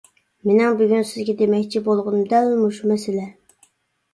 مېنىڭ بۈگۈن سىزگە دېمەكچى بولغىنىم دەل مۇشۇ مەسىلە.